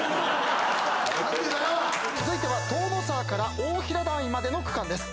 続いては塔ノ沢から大平台までの区間です。